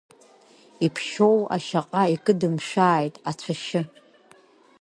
Иԥшьоу ашьаҟа икыдмшәааит ацәашьы.